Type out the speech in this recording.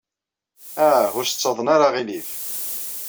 Ah, ur as-ttaḍen ara aɣilif.